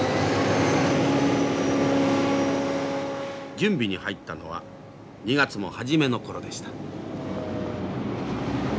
準備に入ったのは２月の初めの頃でした。